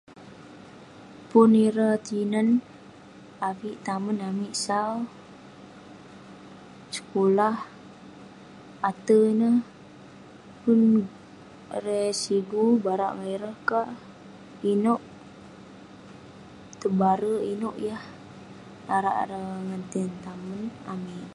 Pun ireh tinen, avik tamen amik sau..sekulah ate ineh, pun.. erei..sigu barak ngan ireh ka, inouk tebarek, inouk yah narak ireh ngan tinen tamen amik..